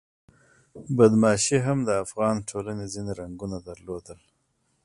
بدماشي هم د افغان ټولنې ځینې رنګونه درلودل.